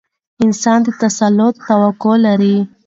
د انسان د تسلط توقع لري.